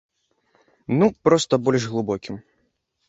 Ну, проста, больш глыбокім.